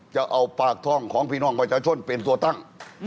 จะเอาปากท่องของพี่น้องประชาชนเป็นตัวตั้ง